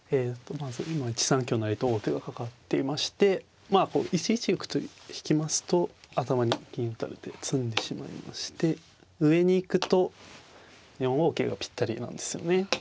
まず今１三香成と王手がかかっていましてこう１一玉と引きますと頭に銀打たれて詰んでしまいまして上に行くと４五桂がぴったりなんですよね。